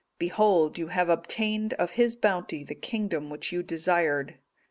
Behold, you have obtained of His bounty the kingdom which you desired.